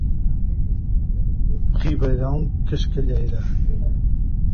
Ribeirão Cascalheira